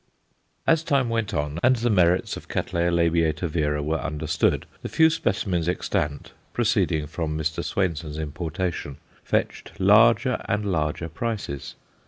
As time went on, and the merits of C. labiata vera were understood, the few specimens extant proceeding from Mr. Swainson's importation fetched larger and larger prices.